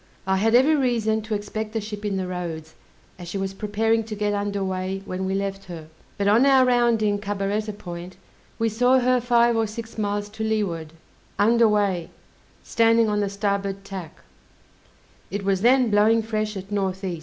I had every reason to expect the ship in the roads, as she was preparing to get under weigh when we left her; but on our rounding Cabaretta Point, we saw her five or six miles to leeward, under weigh, standing on the starboard tack: it was then blowing fresh at N. E.